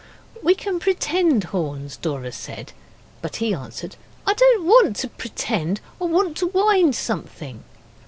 'We can pretend horns,' Dora said; but he answered, 'I didn't want to pretend. I wanted to wind something.